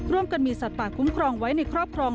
ร่วมกันมีสัตว์ป่าคุ้มครองไว้ในครอบครอง